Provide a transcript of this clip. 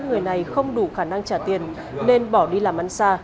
người này không đủ khả năng trả tiền nên bỏ đi làm ăn xa